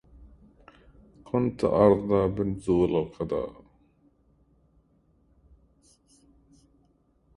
قد كنت أرضى بنزول القضا